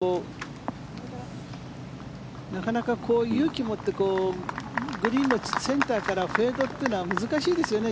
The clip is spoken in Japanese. やっぱりなかなか勇気を持ってグリーンのセンターからフェードというのは難しいですよね。